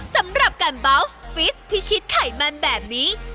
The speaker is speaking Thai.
สำหรับการเบาสฟิสพิชิตไขมันแบบนี้